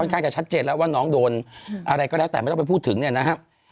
ข้างจะชัดเจนแล้วว่าน้องโดนอะไรก็แล้วแต่ไม่ต้องไปพูดถึงเนี่ยนะครับ